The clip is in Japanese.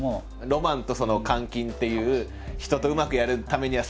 ロマンと換金っていう人とうまくやるためには。